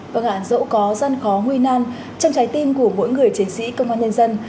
vâng ạ dẫu có dân khó nguy nan trong trái tim của mỗi người chiến sĩ công an nhân dân